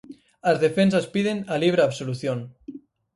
As defensas piden a libre absolución.